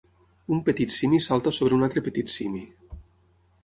Un petit simi salta sobre un altre petit simi.